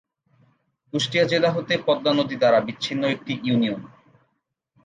কুষ্টিয়া জেলা হতে পদ্মা নদী দ্বারা বিচ্ছিন্ন একটি ইউনিয়ন।